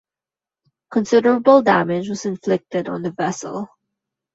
Considerable damage was inflicted on the vessel.